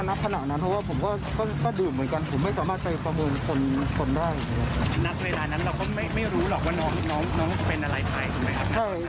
นับเวลานั้นเราก็ไม่ไม่รู้หรอกว่าน้องน้องน้องเป็นอะไรไทย